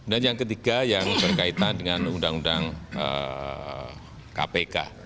dan yang ketiga yang berkaitan dengan undang undang kpk